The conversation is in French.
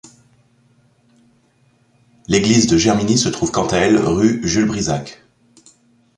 L'église de Germigny se trouve quant à elle rue Jules-Brisac.